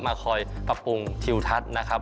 มาคอยปรับปรุงทิวทัศน์นะครับ